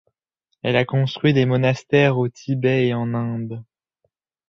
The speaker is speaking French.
Elle a construit des monastères au Tibet et en Inde.